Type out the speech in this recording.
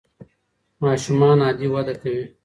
ماشومان عادي وده کوي.